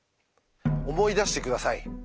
思い出して下さい。